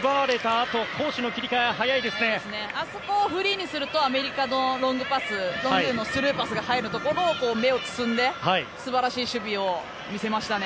あそこをフリーにするとアメリカのロングパススルーパスが入るところを芽を摘んで素晴らしい守備を見せましたね。